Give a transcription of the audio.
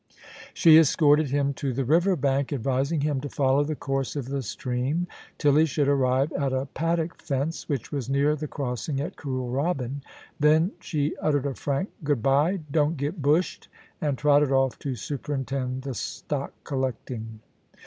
She escorted him to the river bank, advising him to follow the course of the stream till he should arrive at a paddock fence, which was near the crossing at Kooralbyn. Then she uttered a frank * Good bye ; don't get bushed ;* and trotted off to superintend the stock collecting.